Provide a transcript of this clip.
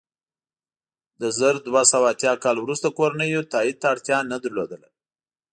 له زر دوه سوه اتیا کال وروسته کورنیو تایید ته اړتیا نه لرله.